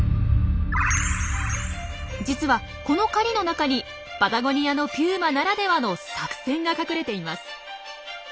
実はこの狩りの中にパタゴニアのピューマならではの作戦が隠れています。